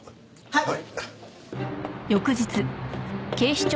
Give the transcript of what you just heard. はい。